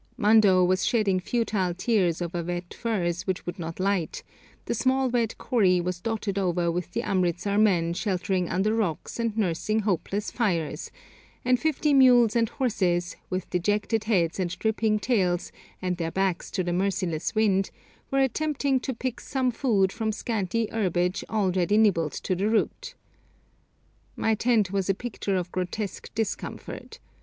Mando was shedding futile tears over wet furze which would not light, the small wet corrie was dotted over with the Amritsar men sheltering under rocks and nursing hopeless fires, and fifty mules and horses, with dejected heads and dripping tails, and their backs to the merciless wind, were attempting to pick some food from scanty herbage already nibbled to the root. My tent was a picture of grotesque discomfort.